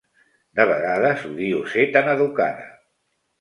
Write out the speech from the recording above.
De vegades odio ser tan educada.